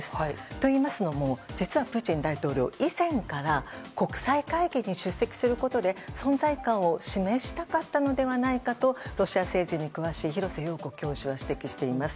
といいますのも実はプーチン大統領以前から国際会議に出席することで存在感を示したかったのではないかとロシア政治に詳しい廣瀬陽子教授は指摘しています。